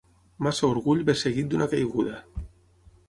Massa orgull ve seguit d'una caiguda.